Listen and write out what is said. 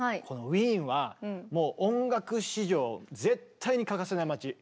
このウィーンはもう音楽史上絶対に欠かせない街。